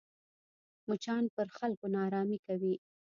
مچان پر خلکو ناارامي کوي